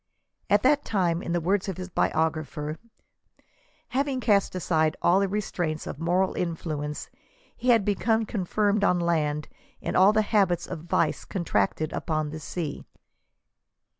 At that time, in the words of his biogra pher, " having cast aside all the restraints of moral influence, he had become confirmed on land in all the habits of vice con tracted upon the sea."